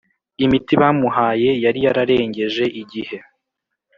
imiti bamuhaye yari yararengeje igihe